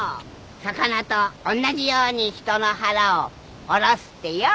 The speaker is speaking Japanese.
魚と同じように人の腹をおろすってよ。